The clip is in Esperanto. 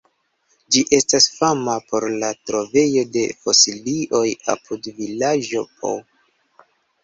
Ĝi estas fama por la trovejo de fosilioj apud vilaĝo Pau.